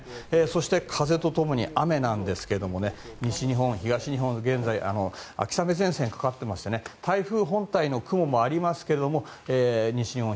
そして、風と共に雨ですが西日本、東日本は現在秋雨前線がかかっていまして台風本体の雲もありますが西日本、